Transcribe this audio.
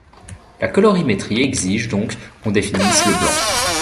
La colorimétrie exige donc qu'on définisse le blanc.